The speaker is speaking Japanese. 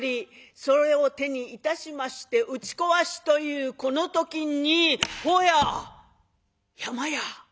それを手にいたしまして打ち壊しというこの時に「ほうや山や！